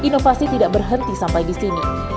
inovasi tidak berhenti sampai di sini